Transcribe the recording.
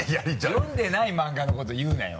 読んでない漫画のこと言うなよ。